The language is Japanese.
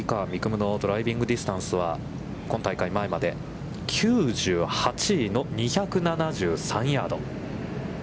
夢のドライビングディスタンスは今大会前まで９８位の２７３ヤード。